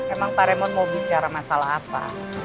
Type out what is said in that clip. emang pak remote mau bicara masalah apa